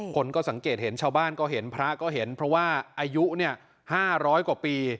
คนก็สังเกตเห็นชาวบ้านก็เห็นพระก็เห็นเพราะว่าอายุ๕๐๐กว่าปี